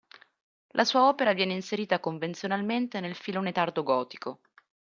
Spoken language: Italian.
La sua opera viene inserita convenzionalmente nel filone tardo-gotico.